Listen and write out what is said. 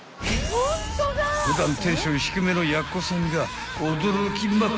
［普段テンション低めのやっこさんが］